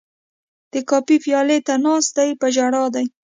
د کافي پیالې ته ناست دی په ژړا دی